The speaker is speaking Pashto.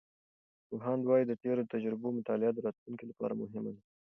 پوهاند وایي، د تیرو تجربو مطالعه د راتلونکي لپاره مهمه ده.